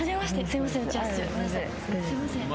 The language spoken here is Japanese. すいません。